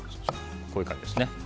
こういう感じですね。